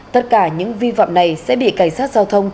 tất cả những vi phạm này sẽ bị cảnh sát giao thông